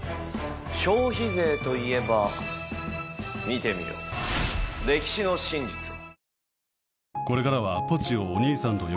消費税といえば見てみよう歴史の真実を。